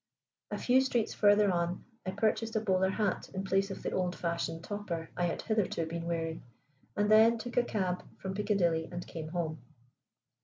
A few streets further on I purchased a bowler hat in place of the old fashioned topper I had hitherto been wearing, and then took a cab from Piccadilly and came home."